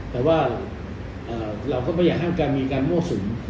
แต่ว่าเราก็ไม่อยากแห้งจะมีการมอดศูนย์